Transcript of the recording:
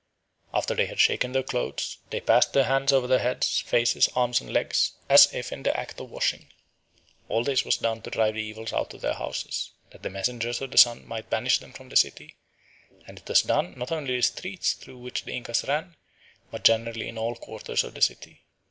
After they had shaken their clothes, they passed their hands over their heads, faces, arms, and legs, as if in the act of washing. All this was done to drive the evils out of their houses, that the messengers of the Sun might banish them from the city; and it was done not only in the streets through which the Incas ran, but generally in all quarters of the city.